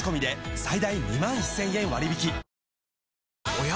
おや？